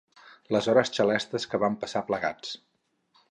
Les hores xalestes que vam passar plegats.